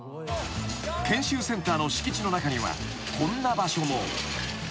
［研修センターの敷地の中にはこんな場所も］